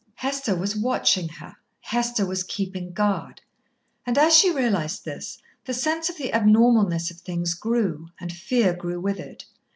Hester was watching her, Hester was keeping guard. And as she realised this, the sense of the abnormalness of things grew, and fear grew with it.